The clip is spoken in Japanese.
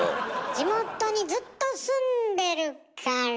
地元にずっと住んでるから。